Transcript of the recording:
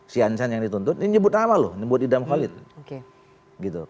si ansan yang dituntut ini nyebut nama loh nyebut idam khalid